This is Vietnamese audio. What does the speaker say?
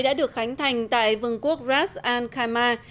đã được khánh thành tại vương quốc ras al khama